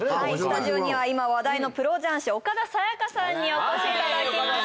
スタジオには今話題のプロ雀士岡田紗佳さんにお越しいただきました